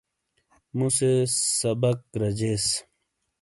موسے سبک رجیس۔